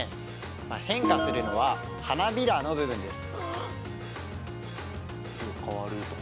まあ変化するのは花びらの部分です。